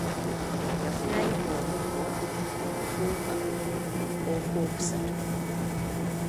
Yafunayo omuggo ne gufuuka okugulu okw'okusatu.